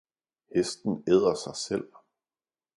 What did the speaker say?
Hesten æder sig selv!